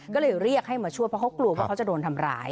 ก็เลยเรียกให้มาช่วยเพราะเขากลัวว่าเขาจะโดนทำร้าย